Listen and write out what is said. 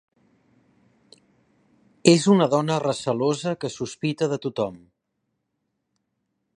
És una dona recelosa que sospita de tothom.